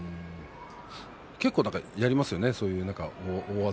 結構やりますよね